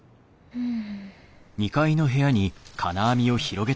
うん。